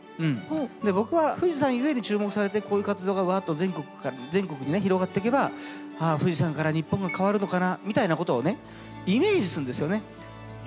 僕は富士山ゆえで注目されてこういう活動がわっと全国にね広がってけばああ富士山から日本が変わるのかなみたいなことをねイメージするんですよね。